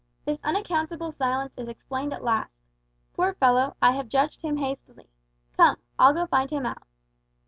"This unaccountable silence is explained at last. Poor fellow, I have judged him hastily. Come! I'll go find him out."